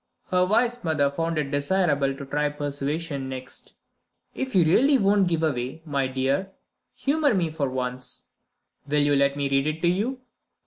Her wise mother found it desirable to try persuasion next. "If you really won't give way, my dear, humor me for once. Will you let me read it to you?"